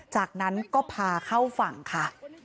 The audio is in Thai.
จากนั้นก็พาเข้าฝั่งค่ะ